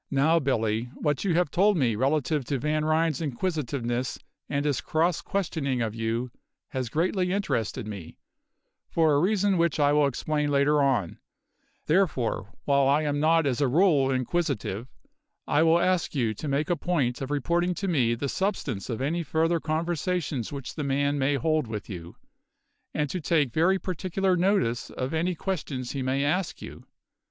Now, Billy, what you have told me relative to Van Ryn's inquisitiveness and his cross questioning of you has greatly interested me, for a reason which I will explain later on; therefore, while I am not as a rule inquisitive, I will ask you to make a point of reporting to me the substance of any further conversations which the man may hold with you, and to take very particular notice of any questions he may ask you.